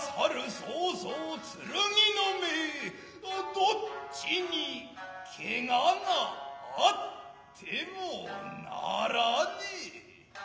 早々剣の舞どっちに怪我があってもならねえ。